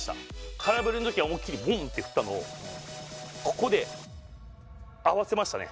空振りのときは思い切り、ブンと振ったのをここで合わせましたね。